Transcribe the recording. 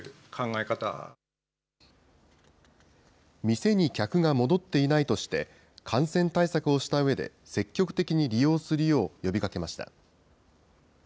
店に客が戻っていないとして、感染対策をしたうえで、積極的に利用するよう、呼びかけました。